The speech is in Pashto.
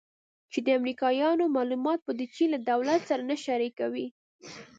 چې د امریکایانو معلومات به د چین له دولت سره نه شریکوي